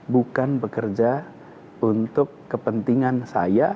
bukan bekerja untuk kepentingan saya